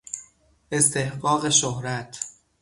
استحقاق شهرت